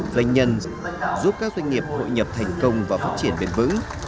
flak nhân giúp các doanh nghiệp hội nhập thành công và phát triển bền vững